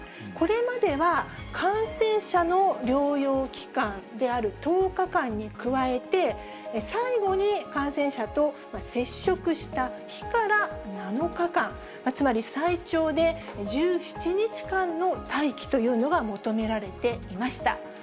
これまでは、感染者の療養機関である１０日間に加えて、最後に感染者と接触した日から７日間、つまり最長で１７日間の待機というのが求められていました。